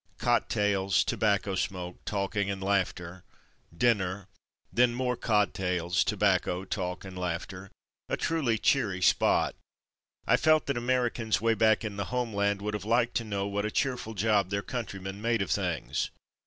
Cocktails, tobacco smoke, talking, and laughter — dinner — then more cocktails, to bacco, talk, and laughter: a truly cheery spot. I felt that Americans way bacl^ in the homeland would have liked to know what a cheerful job their countrymen made of things.